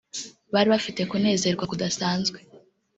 Bari bafite kunezerwa kudasanzwe